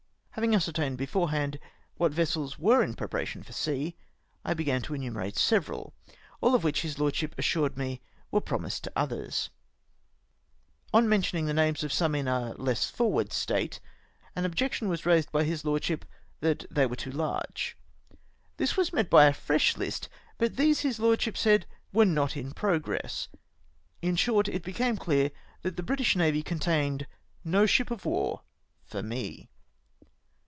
Having ascertained beforehand what vessels were in preparation for sea, I began to enumerate several, all of which his lordship assured me were pro .mised to others. On mentioning the names of some in a less forward state, an objection was raised by his M 3 166 APPOINTMENT TO THE ARAB. lordship tliat they were too large. This was met by a fresh hst, but these his lordship said were not in pro gress. Li short, it became clear that the British Navy contained no ship of war for me.